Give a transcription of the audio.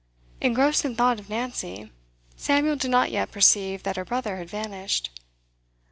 Engrossed in thought of Nancy, Samuel did not yet perceive that her brother had vanished.